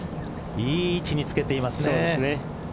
いい位置につけていますね。